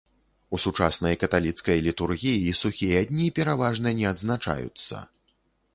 У сучаснай каталіцкай літургіі сухія дні пераважна не адзначаюцца.